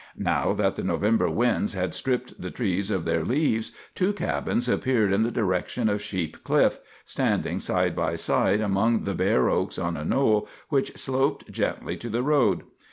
Now that the November winds had stripped the trees of their leaves, two cabins appeared in the direction of Sheep Cliff, standing side by side among the bare oaks on a knoll which sloped gently to the road.